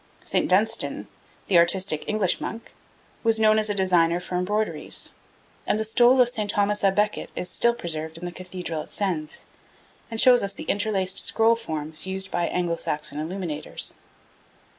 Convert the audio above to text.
St. Dunstan, the artistic English monk, was known as a designer for embroideries; and the stole of St. Thomas a Becket is still preserved in the cathedral at Sens, and shows us the interlaced scroll forms used by Anglo Saxon MS. illuminators.